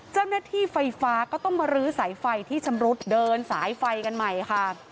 เจ้าหน้าที่ไฟฟ้าก็ต้องมาลื้อสายไฟที่ชำรุดเดินสายไฟกันใหม่ค่ะ